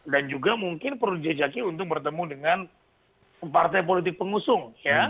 dan juga mungkin perlu jejaki untuk bertemu dengan partai politik pengusung